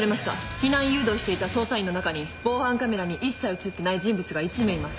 避難誘導していた捜査員の中に防犯カメラに一切写ってない人物が１名います。